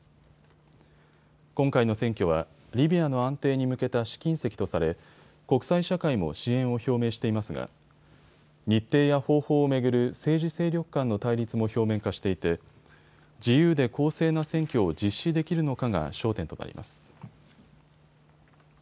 今回の選挙はリビアの安定に向けた試金石とされ国際社会も支援を表明していますが日程や方法を巡る政治勢力間の対立も表面化していて自由で公正な選挙を実施できるのかが焦点となります。